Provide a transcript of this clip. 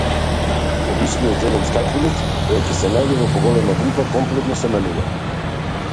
Обичниот зелен скакулец, кога ќе се најде во поголема група, комплетно се менува.